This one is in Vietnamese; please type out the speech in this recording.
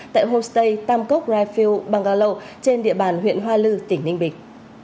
tại hostel tam cốc rifle bangalow trên địa bàn huyện hoa lư tỉnh ninh bình